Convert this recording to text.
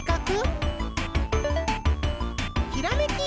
ひらめき！